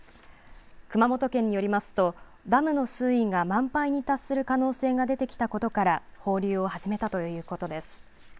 熊本県によりますと、ダムの水位が満杯に達する可能性が出てきたことから放流を始めたということです。